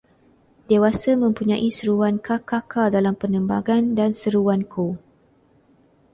Dewasa mempunyai seruan ka-ka-ka dalam penerbangan dan seruan ko